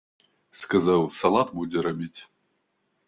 Сказаў, салат будзе рабіць.